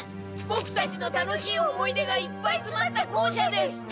ボクたちの楽しい思い出がいっぱいつまった校舎です！